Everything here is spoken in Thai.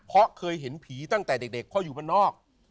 เพราะเคยเห็นผีตั้งแต่เด็กเพราะอยู่บ้านนอก